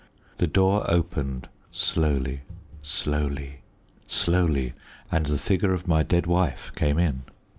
The door opened slowly, slowly, slowly, and the figure of my dead wife came in.